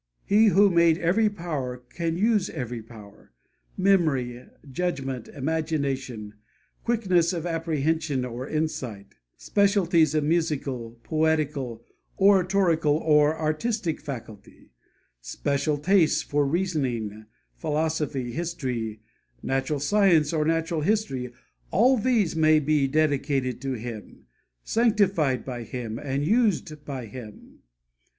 He who made every power can use every power memory, judgment, imagination, quickness of apprehension or insight; specialties of musical, poetical, oratorical, or artistic faculty; special tastes for reasoning, philosophy, history, natural science, or natural history, all these may be dedicated to Him, sanctified by Him, and used by Him.